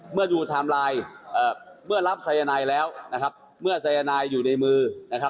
เมื่อรับสายนายแล้วเมื่อสายนายอยู่ในมือ